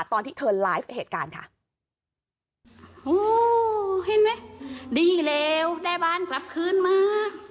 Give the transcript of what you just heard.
ตอนที่เธอไลฟ์เหตุการณ์ค่ะโอ้เห็นไหมดีแล้วได้บ้านกลับคืนมา